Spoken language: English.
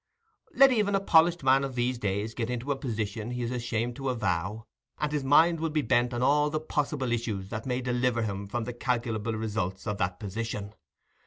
Let even a polished man of these days get into a position he is ashamed to avow, and his mind will be bent on all the possible issues that may deliver him from the calculable results of that position.